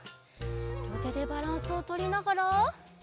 りょうてでバランスをとりながら。